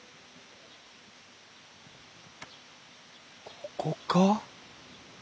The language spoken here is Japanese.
ここか？